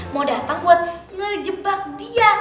mau datang buat ngejebak dia